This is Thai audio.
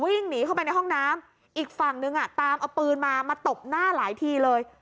วิ่งหนีเข้าไปในห้องน้ำอีกฝั่งนึงอ่ะตามเอาปืนมามาตบหน้าหลายทีเลย